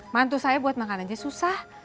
mantu saya buat makan aja susah